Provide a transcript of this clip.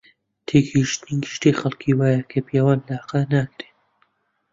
تێگەیشتنی گشتیی خەڵکی وایە کە پیاوان لاقە ناکرێن